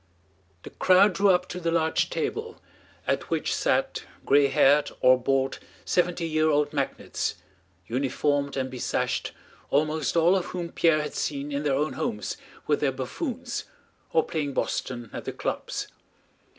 The crowd drew up to the large table, at which sat gray haired or bald seventy year old magnates, uniformed and besashed, almost all of whom Pierre had seen in their own homes with their buffoons, or playing boston at the clubs.